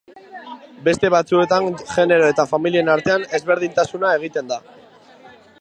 Beste batzuetan genero eta familien artean ezberdintasuna egiten da.